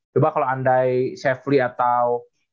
coba kalo andai sefli atau